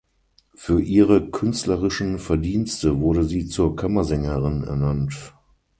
Für ihre künstlerischen Verdienste wurde sie zur Kammersängerin ernannt.